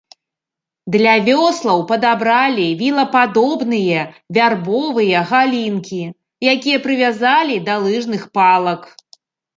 Для вёслаў падабралі вілападобныя вярбовыя галінкі, якія прывязалі да лыжных палак.